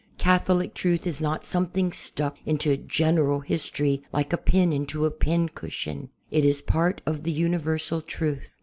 Catholic truth is not something stuck into general history like a pin into a pin cushion. It is part of the universal truth.